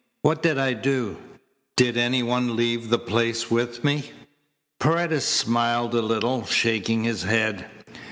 What did I do? Did any one leave the place with me?" Paredes smiled a little, shaking his head.